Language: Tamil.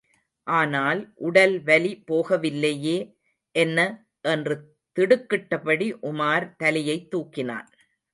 ஆனால், உடல் வலி போகவில்லையே! என்ன, என்று திடுக்கிட்டபடி உமார் தலையைத் தூக்கினான்.